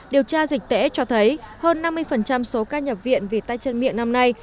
điều tra dịch tễ cho thấy hơn năm mươi số ca nhập viện vì tay chân miệng năm nay